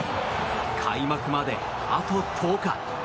開幕まで、あと１０日。